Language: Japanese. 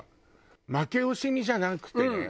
負け惜しみじゃなくてね。